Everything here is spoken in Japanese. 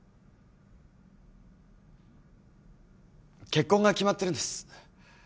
結婚が決まってるんです。